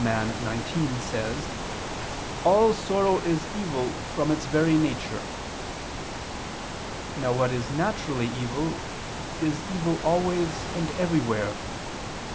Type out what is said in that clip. xix.] says: "All sorrow is evil, from its very nature." Now what is naturally evil, is evil always and everywhere.